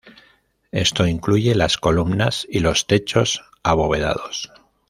Esto incluye las columnas y los techos abovedados.